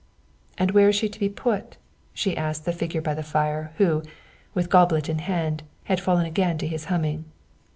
"And where is she to be put?" she asked the figure by the fire, who, with goblet in hand, had fallen again to his humming.